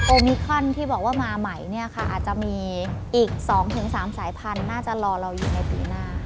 มิคอนที่บอกว่ามาใหม่เนี่ยค่ะอาจจะมีอีก๒๓สายพันธุ์น่าจะรอเราอยู่ในปีหน้า